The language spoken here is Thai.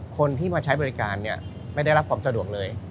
คนที่มาใช้บริการไม่ได้รับความสะดวกเลย